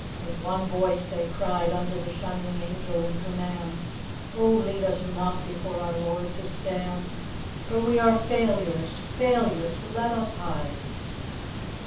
With one voice they cried Unto the shining Angel in command: 'Oh, lead us not before our Lord to stand, For we are failures, failures! Let us hide.